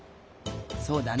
そうだね